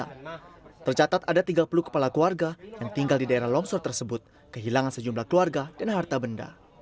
tercatat ada tiga puluh kepala keluarga yang tinggal di daerah longsor tersebut kehilangan sejumlah keluarga dan harta benda